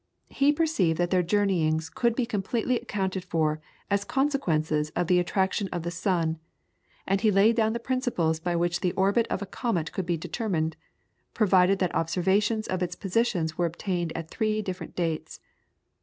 He perceived that their journeyings could be completely accounted for as consequences of the attraction of the sun, and he laid down the principles by which the orbit of a comet could be determined, provided that observations of its positions were obtained at three different dates.